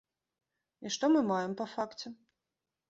І што мы маем па факце?